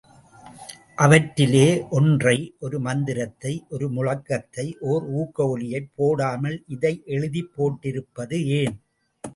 அவற்றிலே ஒன்றை ஒரு மந்திரத்தை ஒரு முழக்கத்தை ஒர் ஊக்க ஒலியைப் போடாமல் இதை எழுதிப் போட்டிருப்பது ஏன்?